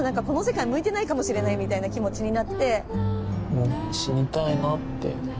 「もう死にたいなって」。